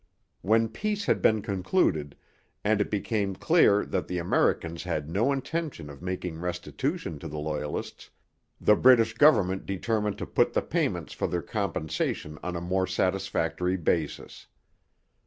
When peace had been concluded, and it became clear that the Americans had no intention of making restitution to the Loyalists, the British government determined to put the payments for their compensation on a more satisfactory basis.